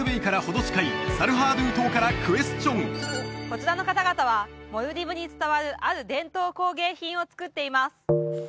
こちらの方々はモルディブに伝わるある伝統工芸品を作っています